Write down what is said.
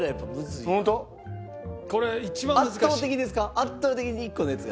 圧倒的に１個のやつが。